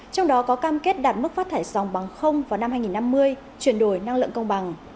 trong đó có cam kết đạt mức phát thải dòng bằng vào năm hai nghìn năm mươi chuyển đổi năng lượng công bằng